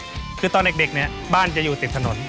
คือตอนเด็กเนี่ยบ้านจะอยู่ติดถนน